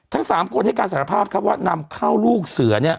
ทั้ง๓คนให้การสารภาพครับว่านำเข้าลูกเสือเนี่ย